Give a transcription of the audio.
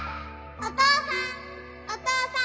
・お父さん！